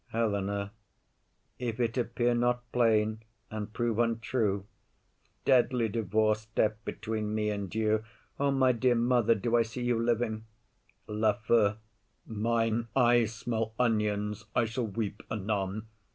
HELENA. If it appear not plain, and prove untrue, Deadly divorce step between me and you! O my dear mother, do I see you living? LAFEW. Mine eyes smell onions; I shall weep anon.